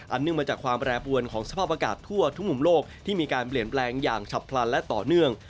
เนื่องมาจากความแปรปวนของสภาพอากาศทั่วทุกมุมโลกที่มีการเปลี่ยนแปลงอย่างฉับพลันและต่อเนื่อง